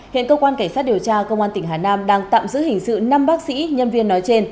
hiện cơ quan cảnh sát điều tra công an tỉnh hà nam đang tạm giữ hình sự năm bác sĩ nhân viên nói trên